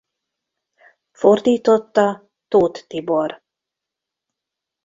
Fordította Tóth Tibor.